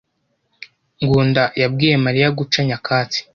Ngunda yabwiye Mariya guca nyakatsi.